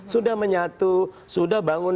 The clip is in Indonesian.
sudah menyatu sudah bangun